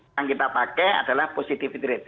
yang kita pakai adalah positivity rate